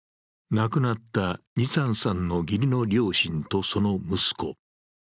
亡くなったニツァンさんの義理の両親とその息子。